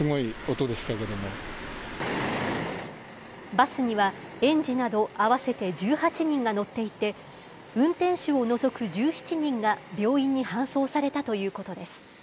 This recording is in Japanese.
バスには、園児など合わせて１８人が乗っていて、運転手を除く１７人が、病院に搬送されたということです。